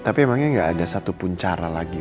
tapi emangnya gak ada satu pun cara lagi pak